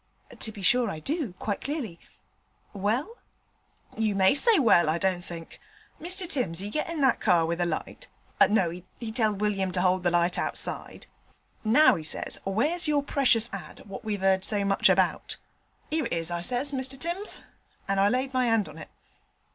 'To be sure I do, quite clearly well?' 'You may say well, I don't think. Mr Timms he gets in that car with a light no, he telled William to 'old the light outside. "Now," he says, "where's your precious ad. what we've 'eard so much about?" "'Ere it is," I says, "Mr Timms," and I laid my 'and on it.'